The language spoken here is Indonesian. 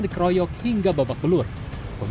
gak roh ini kayak aku salah sih